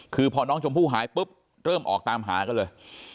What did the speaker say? คือพอน้องชมพู่หายปุ๊บเริ่มออกตามหากันเลย